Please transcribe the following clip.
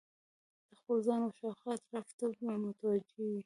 د خپل ځان او شاوخوا اطرافو ته به متوجه وي